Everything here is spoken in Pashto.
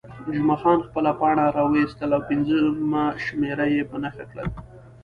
جمعه خان خپله پاڼه راویستل او پنځمه شمېره یې په نښه کړل.